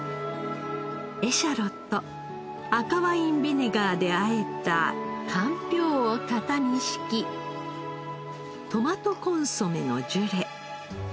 エシャロット赤ワインビネガーであえたかんぴょうを型に敷きトマトコンソメのジュレ。